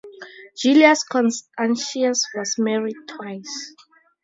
Julius Constantius was married twice.